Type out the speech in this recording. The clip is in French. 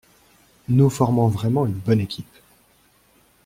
Nous formons vraiment une bonne équipe.